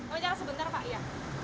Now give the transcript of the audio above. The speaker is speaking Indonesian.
lancar sebentar pak iya